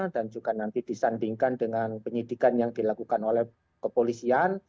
dan juga nanti disandingkan dengan penyidikan yang dilakukan oleh kepolisian